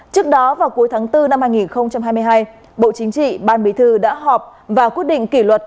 trước đó vào cuối tháng bốn năm hai nghìn hai mươi hai bộ chính trị ban bí thư đã họp và quyết định kỷ luật